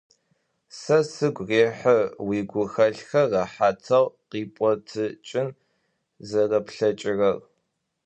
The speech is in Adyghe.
Сэ сыгу рехьы уигухэлъхэр рэхьатэу къипӏотыкӏын зэрэплъэкӏырэр.